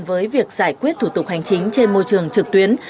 với việc giải quyết thủ tục hành chính trên môi trường trực tuyến